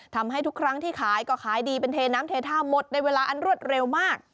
ทำให้ทุกครั้งที่ขายก็ขายดีเป็นเทน้ำเทท่าหมดในเวลาอันรวดเร็วมาก